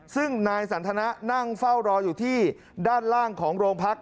ซึ่งนายสันทนะนั่งเฝ้ารออยู่ที่ด้านล่างของโรงพัก